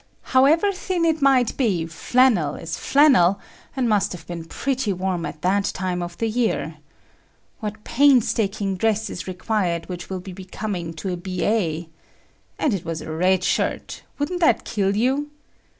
However thin it might be, flannel is flannel and must have been pretty warm at that time of the year. What painstaking dress is required which will be becoming to a B.A.! And it was a red shirt; wouldn't that kill you!